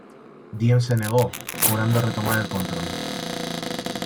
Diem se negó, jurando retomar el control.